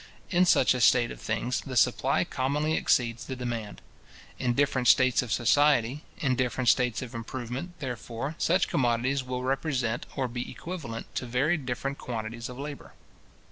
In such a state of things, the supply commonly exceeds the demand. In different states of society, in different states of improvement, therefore, such commodities will represent, or be equivalent, to very different quantities of labour.